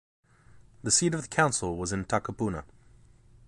The seat of the council was in Takapuna.